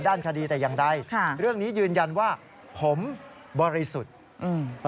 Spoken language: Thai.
ด้านคดีแต่อย่างใดค่ะเรื่องนี้ยืนยันว่าผมบริสุทธิ์อืม